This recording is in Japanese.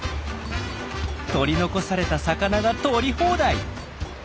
取り残された魚が取り放題！